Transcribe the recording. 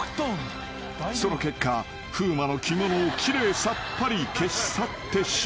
［その結果風磨の着物を奇麗さっぱり消し去ってしまうのだ］